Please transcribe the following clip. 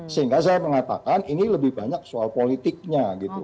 sehingga saya mengatakan ini lebih banyak soal politiknya gitu